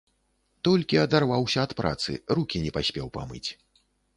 Толькі адарваўся ад працы, рукі не паспеў памыць.